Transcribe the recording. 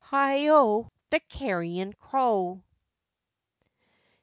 Heigho! the carrion crow.